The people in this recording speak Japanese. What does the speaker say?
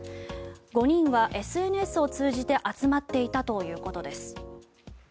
５人はＳＮＳを通じて集まっていたということです。